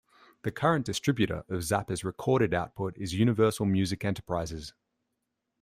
The current distributor of Zappa's recorded output is Universal Music Enterprises.